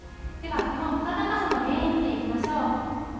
では、この暖かさの原因、見ていきましょう。